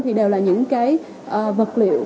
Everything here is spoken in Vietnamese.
thì đều là những cái vật liệu